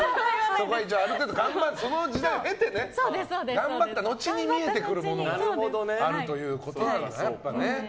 ある程度、その時代を経て頑張った後に見えてくるものがあるということで。